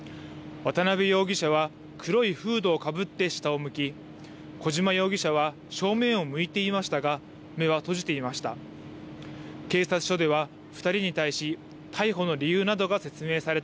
渡邉容疑者は黒いフードをかぶって下を向き、小島容疑者は正面を向いていましたが、目は閉じていました。